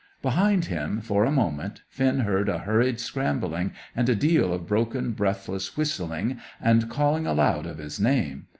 Behind him, for a moment, Finn heard a hurried scrambling, and a deal of broken, breathless whistling, and calling aloud of his name.